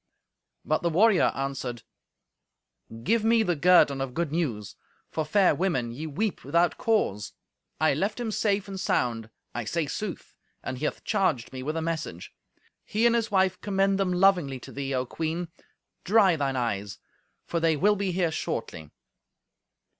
But the warrior answered, "Give me the guerdon of good news, for, fair women, ye weep without cause. I left him safe and sound—I say sooth—and he hath charged me with a message. He and his wife commend them lovingly to thee, O Queen. Dry thine eyes, for they will be here shortly."